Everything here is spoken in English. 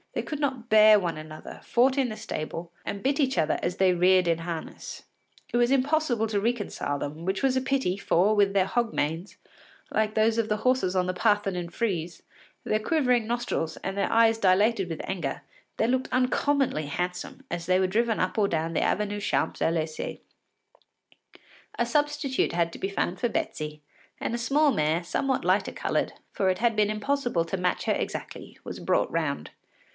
They could not bear one another, fought in the stable, and bit each other as they reared in harness. It was impossible to reconcile them, which was a pity, for with their hog manes, like those of the horses on the Parthenon frieze, their quivering nostrils, and their eyes dilated with anger, they looked uncommonly handsome as they were driven up or down the Avenue des Champs Élysées. A substitute had to be found for Betsy, and a small mare, somewhat lighter coloured, for it had been impossible to match her exactly, was brought round.